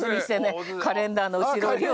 あっカレンダーの後ろ。